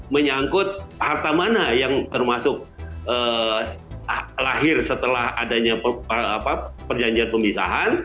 menyangkut harta mana yang termasuk lahir setelah adanya perjanjian pemisahan